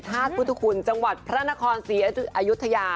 ธาตุพุทธคุณจังหวัดพระนครศรีอายุทยา